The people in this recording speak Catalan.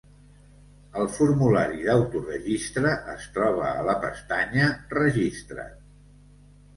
El formulari d'Autoregistre es troba a la pestanya Registra't.